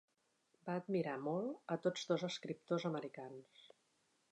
Va admirar molt a tots dos escriptors americans.